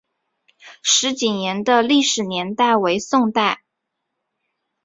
石井岩的历史年代为宋代。